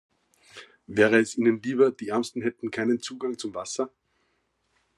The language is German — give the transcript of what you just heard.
Wäre es ihnen lieber, die Ärmsten hätten keinen Zugang zu Wasser?